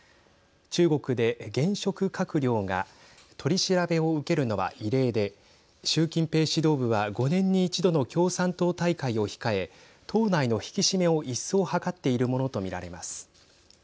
中国で現職閣僚が取り調べを受けるのは異例で習近平指導部は、５年に一度の共産党大会を控え党内の引き締めを一層図っているものと見られます。